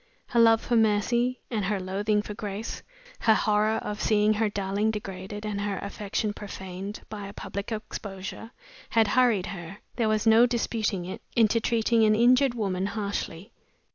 Her love for Mercy and her loathing for Grace, her horror of seeing her darling degraded and her affection profaned by a public exposure, had hurried her there was no disputing it into treating an injured woman harshly.